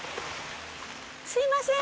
すみません